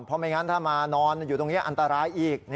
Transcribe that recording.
เพราะไม่งั้นถ้ามานอนอยู่ตรงนี้อันตรายอีก